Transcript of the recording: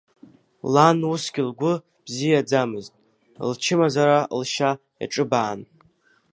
Лан усгьы лгәы бзиаӡамызт, лчымазара лшьа иаҿыбаан.